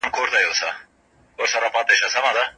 ځینې کسان به ښه احساس کوي.